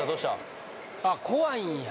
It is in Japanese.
あっ怖いんや・